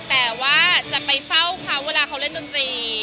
แต่ว่าจะไปเฝ้าเขาเวลาเขาเล่นดนตรี